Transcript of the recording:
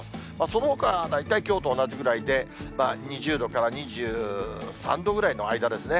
そのほかは大体きょうと同じぐらいで、２０度から２３度ぐらいの間ですね。